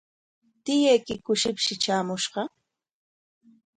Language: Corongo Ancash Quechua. ¿Tiyaykiku shipshi traamushqa?